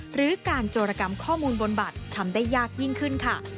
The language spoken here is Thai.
หรือการโจรกรรมข้อมูลบนบัตรทำได้ยากยิ่งขึ้นค่ะ